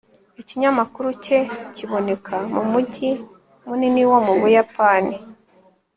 ikinyamakuru cye kiboneka mu mujyi munini wo mu buyapani